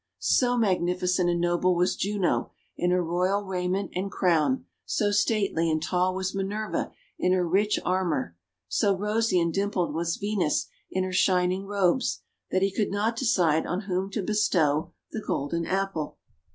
So magnificent and noble was Juno in her royal raiment and crown, so stately and tall was Minerva in her rich armour, so rosy and dimpled was Venus in her shining robes, that he could not decide on whom to bestow the Golden Apple.